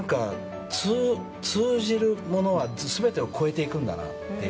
通じるものは全てを越えていくんだなと。